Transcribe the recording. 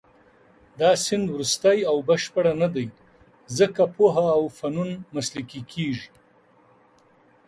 دا سیند وروستۍ او بشپړه نه دی، ځکه پوهه او فنون مسلکي کېږي.